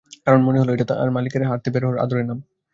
কারণ মনে হলো এটা তোমার মালিকের সাথে হাঁটতে বের হওয়ার আদুরে নাম।